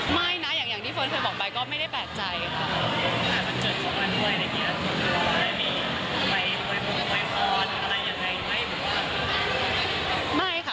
ไม่นะอย่างที่เฟิร์นเคยบอกไปก็ไม่ได้แปลกใจค่ะ